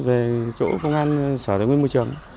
về chỗ công an sở thái nguyên môi trường